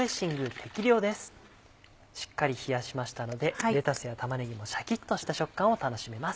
しっかり冷やしましたのでレタスや玉ねぎのシャキっとした食感を楽しめます。